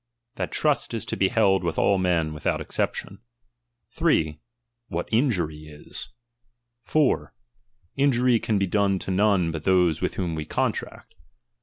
That trust is to be held with all men without exception. 3. What injury is. i. Injury can be done to none but those with whom ■we contract.